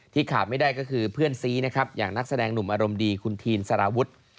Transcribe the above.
ขาดไม่ได้ก็คือเพื่อนซีนะครับอย่างนักแสดงหนุ่มอารมณ์ดีคุณทีนสารวุฒิ